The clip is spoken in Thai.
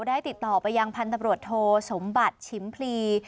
ได้ติดต่อไปยังพันธบรวจโทสมบัติฉิมพลี